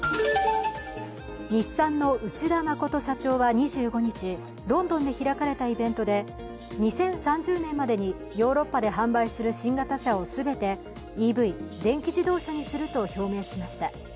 日産の内田誠社長は２５日ロンドンで開かれたイベントで２０３０年までにヨーロッパで販売する新型車を全てＥＶ＝電気自動車にすると表明しました。